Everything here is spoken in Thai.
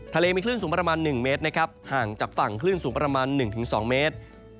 ทะเลมีคลื่นสูงประมาณ๑เมตรนะครับห่างจากฝั่งคลื่นสูงประมาณ๑๒เมตร